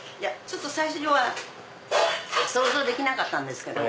最初は想像できなかったですけども。